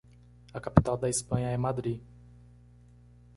A capital da Espanha é Madri.